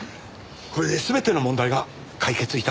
これで全ての問題が解決致しました。